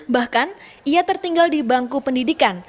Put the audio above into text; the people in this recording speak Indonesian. bahkan ia tertinggal di bangku pendidikan